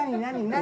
何？